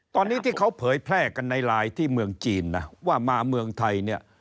ตอนนี้ที่เขาเผยแพร่กันในไลน์ที่เมืองจีนนะว่ามาเมืองไทยเนี่ย